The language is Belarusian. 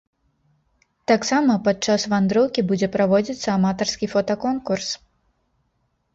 Таксама пад час вандроўкі будзе праводзіцца аматарскі фотаконкурс.